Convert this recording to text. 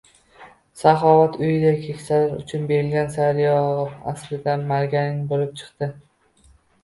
"Saxovat" uyida keksalar uchun berilgan sariyog‘ aslida margarin bo‘lib chiqdi...